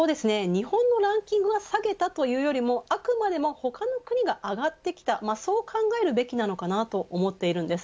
日本のランキングは下げたというよりもあくまでも他の国が上がってきた、そう考えるべきなのかなと思っているんです。